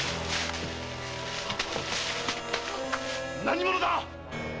何者だ！